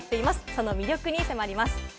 その魅力に迫ります。